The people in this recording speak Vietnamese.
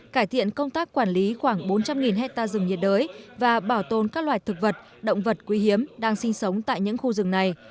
cải thiện công tác quản lý khoảng bốn trăm linh hectare rừng nhiệt đới và bảo tồn các loài thực vật động vật quý hiếm đang sinh sống tại những khu rừng này